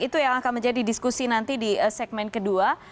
itu yang akan menjadi diskusi nanti di segmen kedua